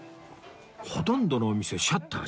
ほとんどのお店シャッター